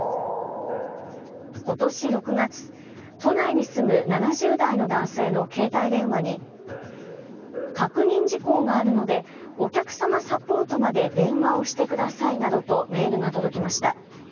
ことし６月、都内に住む７０代の男性の携帯電話に確認事項があるのでお客さまサポートまで電話をしてくださいなどとメールが届きました。